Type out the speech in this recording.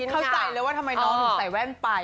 เข้าใจเลยว่าทำไมน้องถึงใส่แว่นไป